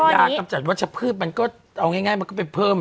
กำจัดวัชพืชมันก็เอาง่ายมันก็ไปเพิ่ม